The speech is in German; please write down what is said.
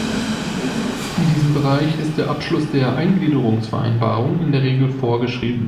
In diesem Bereich ist der Abschluss der Eingliederungsvereinbarung in der Regel vorgeschrieben.